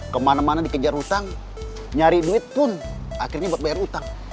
kemana mana dikejar utang nyari duit pun akhirnya buat bayar utang